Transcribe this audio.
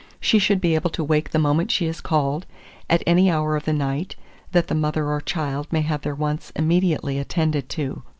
She should be able to wake the moment she is called, at any hour of the night, that the mother or child may have their wants immediately attended to.